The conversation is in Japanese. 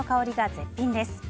絶品です。